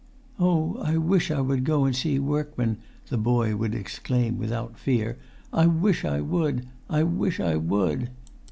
"Oh! I wish I would go and see workman," the boy would exclaim without fear. "I wish I would! I wish I would!"